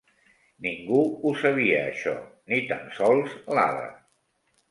Ningú ho sabia això, ni tan sols l'Ada.